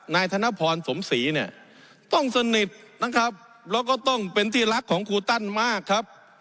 ธนพรสมศรีเนี่ยต้องสนิทนะครับแล้วก็ต้องเป็นที่รักของครูตั้นมากครับ